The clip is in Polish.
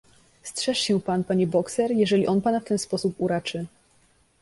"Strzeż się pan, panie bokser, jeżeli on pana w ten sposób uraczy."